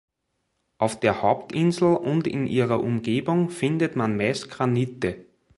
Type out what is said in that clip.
Auf der Hauptinsel und in ihrer Umgebung findet man meist Granite.